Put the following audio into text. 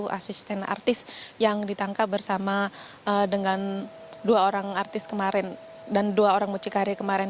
satu asisten artis yang ditangkap bersama dengan dua orang artis kemarin dan dua orang mucikari kemarin